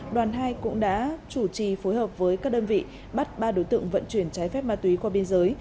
đoàn hai cũng đã chủ trì phối hợp với các đơn vị bắt ba đối tượng vận chuyển trái phép ma túy qua biên giới